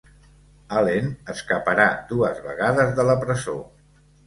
Allen escaparà dues vegades de la presó.